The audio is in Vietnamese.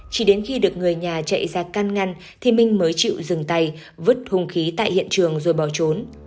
chỉ đến khi được người nhà chạy ra can ngăn thì minh mới chịu dừng tay vứt hung khí tại hiện trường rồi bỏ trốn